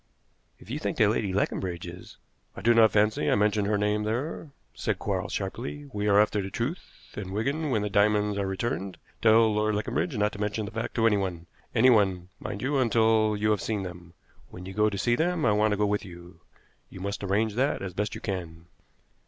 "If you think that Lady Leconbridge is " "I do not fancy I mention her name there," said Quarles sharply. "We are after the truth; and, Wigan, when the diamonds are returned, tell Lord Leconbridge not to mention the fact to anyone anyone, mind, until you have seen them. When you go to see them I want to go with you. You must arrange that as best you can."